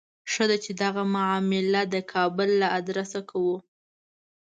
ښه ده چې دغه معامله د کابل له آدرسه کوو.